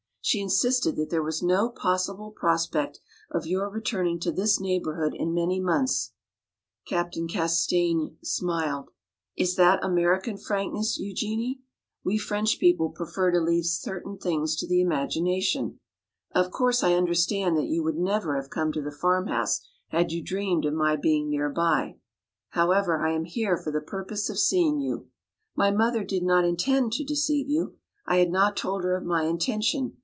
"She insisted that there was no possible prospect of your returning to this neighborhood in many months." Captain Castaigne smiled. "Is that American frankness, Eugenie? We French people prefer to leave certain things to the imagination. Of course, I understand that you would never have come to the farmhouse had you dreamed of my being nearby. However, I am here for the purpose of seeing you. My mother did not intend to deceive you; I had not told her of my intention.